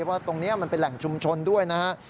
ว่าตรงนี้มันเป็นแหล่งชุมชนด้วยนะฮะ